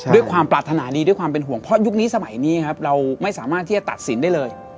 ด้วยความปรารถนาดีด้วยความเป็นห่วงเพราะยุคนี้สมัยนี้ครับเราไม่สามารถที่จะตัดสินได้เลย